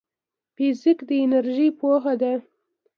فزیک د انرژۍ پوهنه ده